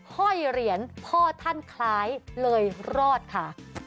ห้อยเหรียญพ่อท่านคล้ายเลยรอดค่ะ